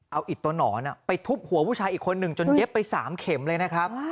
เอาอิดตัวหนอนไปทุบหัวผู้ชายอีกคนหนึ่งจนเย็บไป๓เข็มเลยนะครับ